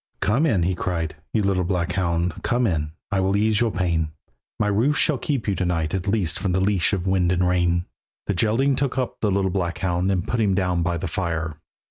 "Come in," he cried, "you little black hound, Come in, I will ease your pain; My roof shall keep you to night at least From the leash of wind and rain." The Geraldine took up the little black hound, And put him down by the fire.